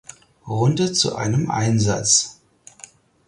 Runde zu einem Einsatz.